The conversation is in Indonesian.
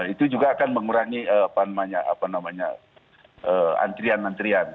itu juga akan mengurangi apa namanya antrian antrian